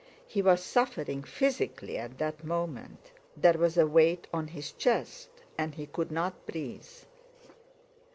He was suffering physically at that moment, there was a weight on his chest and he could not breathe.